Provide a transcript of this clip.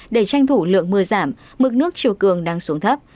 để tranh thủ lượng mưa giảm mực nước chiều cường đang xuống thấp